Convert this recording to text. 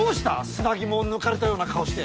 砂肝を抜かれたような顔して。